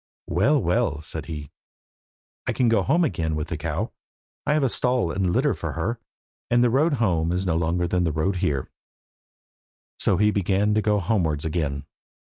"Well, well," said he, "I can go home again with the cow. I have stall and litter for her, and the road home is no longer than the road here." So he began to go homewards again.